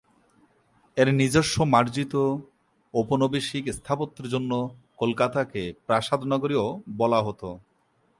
এর নিজস্ব মার্জিত ঔপনিবেশিক স্থাপত্যের জন্য কলকাতাকে ‘প্রাসাদ নগরী’ও বলা হতো।